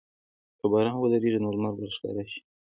که باران ودریږي، نو لمر به راښکاره شي.